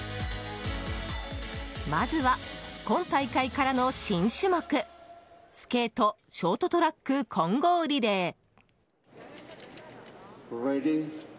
まずは、今大会からの新種目スケートショートトラック混合リレー。